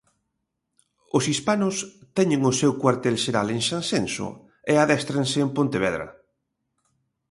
Os hispanos teñen o seu cuartel xeral en Sanxenxo e adéstranse en Pontevedra.